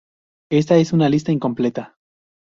Esta es una lista incompleta.